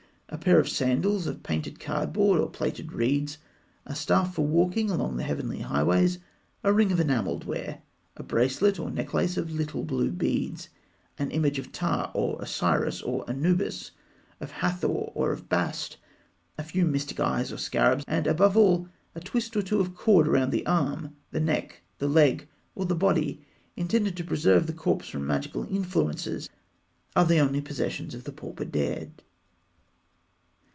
A pair of sandals of painted cardboard or plaited reeds; a staff for walking along the heavenly highways; a ring of enamelled ware; a bracelet or necklace of little blue beads; a tiny image of Ptah, of Osiris, of Anubis, of Hathor, or of Bast; a few mystic eyes or scarabs; and, above all, a twist or two of cord round the arm, the neck, the leg, or the body, intended to preserve the corpse from magical influences, are the only possessions of the pauper dead.